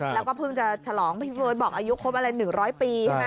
แล้วก็เพิ่งจะฉลองบอกอายุครบอะไร๑๐๐ปี